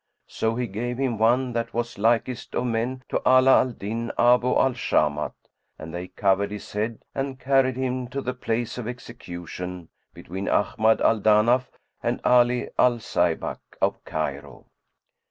So he gave him one that was likest of men to Ala al Din Abu al Shamat; and they covered his head and carried him to the place of execution between Ahmad al Danaf and Ali al Zaybak of Cairo.